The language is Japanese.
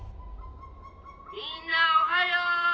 「みんなおはよう！」